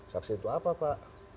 saksi itu apa pak